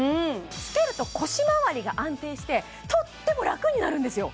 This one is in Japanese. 着けると腰まわりが安定してとってもラクになるんですよ